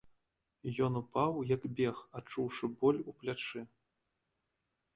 Ён упаў, як бег, адчуўшы боль у плячы.